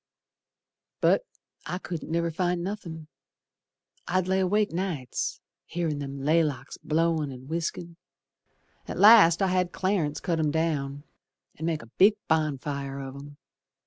But I couldn't never find nothin'. I'd lay awake nights Hearin' them laylocks blowin' and whiskin'. At last I had Clarence cut 'em down An' make a big bonfire of 'em.